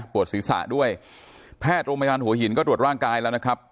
ศีรษะด้วยแพทย์โรงพยาบาลหัวหินก็ตรวจร่างกายแล้วนะครับ